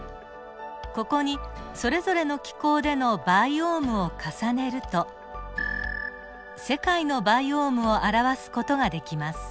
ここにそれぞれの気候でのバイオームを重ねると世界のバイオームを表す事ができます。